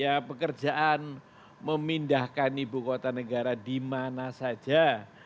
ya pekerjaan memindahkan ibu kota negara di mana saja